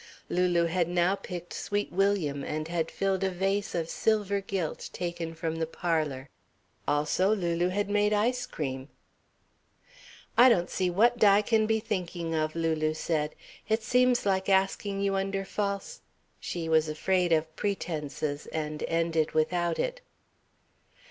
Lulu had now picked Sweet William and had filled a vase of silver gilt taken from the parlour. Also, Lulu had made ice cream. "I don't see what Di can be thinking of," Lulu said. "It seems like asking you under false " She was afraid of "pretences" and ended without it.